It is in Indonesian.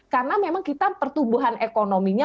karena memang kita pertumbuhan ekonominya